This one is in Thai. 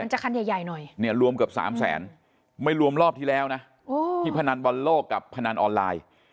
จะคันใหญ่หน่อยเนี่ยรวมเกือบ๓แสนไม่รวมรอบที่แล้วนะที่พนันบอลโลกกับพนันออนไลน์